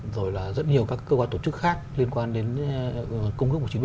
rồi là rất nhiều các cơ quan tổ chức khác liên quan đến công thức một nghìn chín trăm bảy mươi